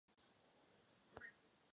Vít Kučera a pokladníkem Rudolf Smetana.